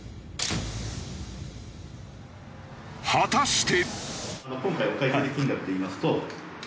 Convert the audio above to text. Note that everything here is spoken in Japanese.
果たして。